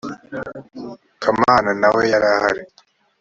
kamana nawe yarahari